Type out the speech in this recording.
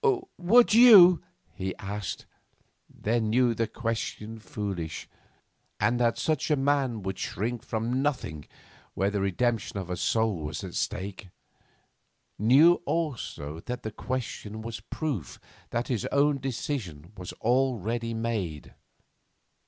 'Would you?' he asked then knew the question foolish, and that such a man would shrink from nothing where the redemption of a soul was at stake; knew also that the question was proof that his own decision was already made.